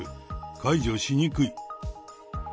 解除しにくい。